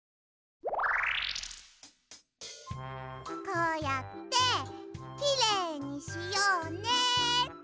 こうやってきれいにしようねっと。